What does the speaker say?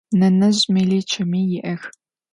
Нэнэжъ мэли чэми иӏэх.